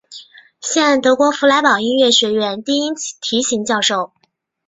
现德国弗莱堡音乐学院低音提琴教授。